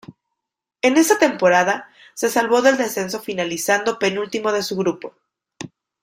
En esa temporada se salvó del descenso finalizando penúltimo de su grupo.